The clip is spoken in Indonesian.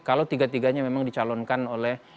kalau tiga tiganya memang dicalonkan oleh